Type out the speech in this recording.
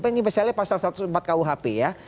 ini misalnya pasal satu ratus empat kuhp ya